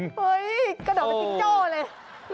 เฮ้ยกระดอบไปจิ๊กจ้อเลย